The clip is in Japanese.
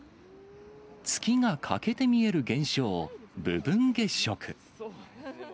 月が欠けて見える現象、部分月食。